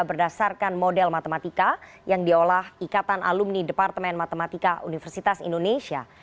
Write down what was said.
berdasarkan model matematika yang diolah ikatan alumni departemen matematika universitas indonesia